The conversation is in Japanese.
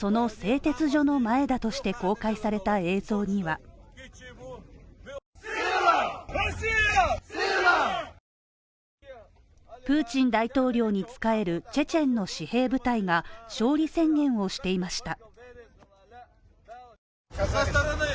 その製鉄所のマエダとして公開された映像にはプーチン大統領に仕えるチェチェンの私兵部隊が勝利宣言をしていました